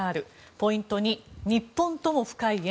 ポイント２日本とも深い縁。